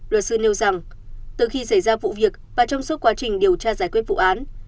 luật sư nêu rằng từ khi xảy ra vụ việc và trong suốt quá trình điều tra giải quyết vụ án